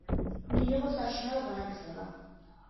მიიღო საშინაო განათლება.